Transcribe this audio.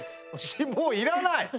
脂肪いらない！？